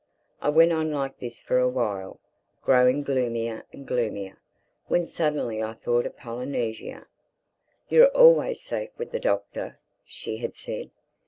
I went on like this for a while, growing gloomier and gloomier, when suddenly I thought of Polynesia. "You're always safe with the Doctor," she had said.